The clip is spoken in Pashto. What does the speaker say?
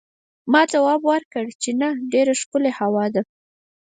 ما ځواب ورکړ چې نه، ډېره ښکلې هوا ده.